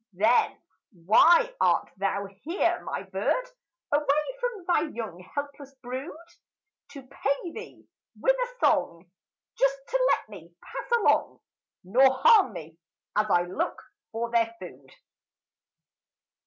Then, why art thou here, my bird, Away from thy young, helpless brood? "To pay thee with a song, Just to let me pass along, Nor harm me, as I look for their food!"